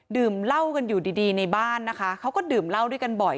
ดื่มเหล้ากันอยู่ดีดีในบ้านนะคะเขาก็ดื่มเหล้าด้วยกันบ่อย